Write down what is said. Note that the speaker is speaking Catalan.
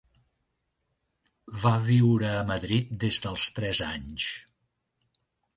Va viure a Madrid des dels tres anys.